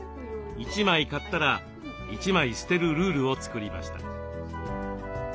１枚買ったら１枚捨てるルールを作りました。